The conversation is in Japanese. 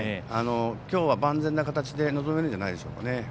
きょうは万全な形で臨めるんじゃないでしょうかね。